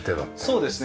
そうですね。